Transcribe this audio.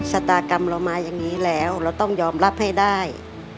หนูเหนื่อยอะแม่